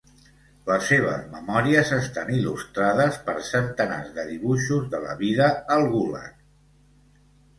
Les seves memòries estan il·lustrades per centenars de dibuixos de la vida al gulag.